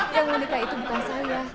yang mau nikah itu bukan saya